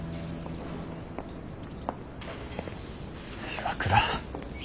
岩倉。